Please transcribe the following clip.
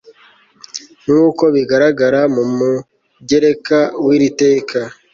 nk uko bigaragara mu mugereka w iri teka